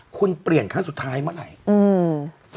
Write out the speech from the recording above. คุณเปลี่ยนครั้งสุดท้ายเมื่อไหร่อืม